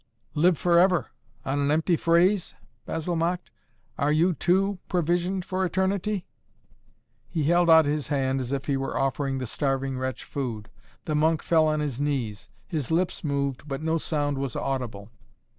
"Live forever on an empty phrase?" Basil mocked. "Are you, too, provisioned for eternity?" He held out his hand as if he were offering the starving wretch food. The monk fell on his knees. His lips moved, but no sound was audible.